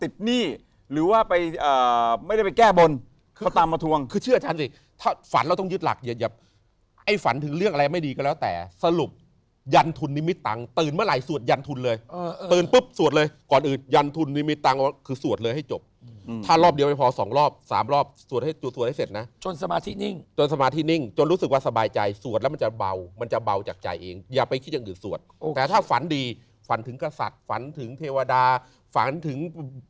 เช่นทำงานด้านศิลปะหรือทำงานเรื่องเกี่ยวข้องกับเรื่องของ